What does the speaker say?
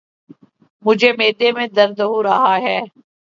مجھے معدے میں درد ہو رہا ہے۔